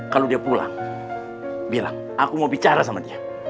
kalau dia pulang bilang aku mau bicara sama dia